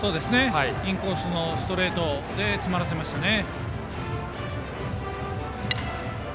インコースのストレートで詰まらせましたね。